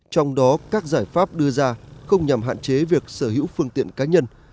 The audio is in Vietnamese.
trong đó các giải pháp đưa ra không nhằm hạn chế việc sở hữu phương tiện cá nhân